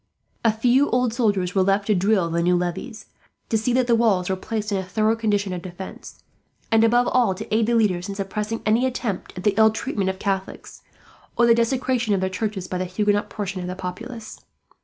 A few old soldiers were left to drill the new levies, to see that the walls were placed in a thorough condition of defence, and above all to aid the leaders in suppressing any attempt at the ill treatment of Catholics, or the desecration of their churches, by the Huguenot portion of the population.